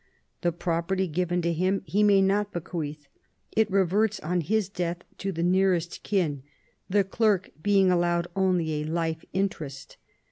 The property given to him he may not bequeath ; it reverts on his death to the nearest kin, the clerk being allowed only a life interest.